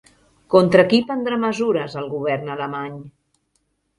Contra qui prendrà mesures el govern alemany?